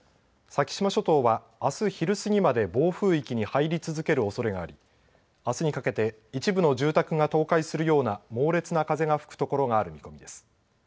先島諸島はあす昼過ぎまで暴風域に入り続けるおそれがありあすにかけて一部の住宅が倒壊するような猛烈な風が吹くところがある見込みです。